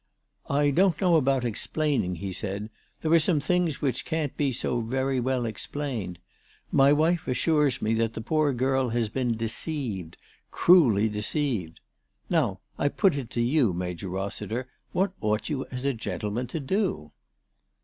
" I don't know about explaining/' he said. " There are some things which can't be so very well explained. My wife assures me that that poor girl has been deceived, cruelly deceived. Now I put it to you, Major Rossiter, what ought you as a gentleman to do